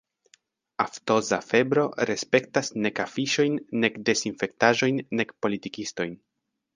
Aftoza febro respektas nek afiŝojn, nek desinfektaĵojn, nek politikistojn.